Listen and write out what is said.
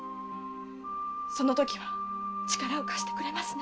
そのときは力を貸してくれますね？